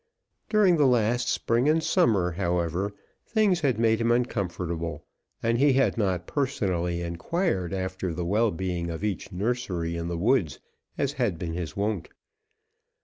During the last spring and summer, however, things had made him uncomfortable; and he had not personally inquired after the well being of each nursery in the woods as had been his wont.